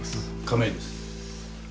亀井です。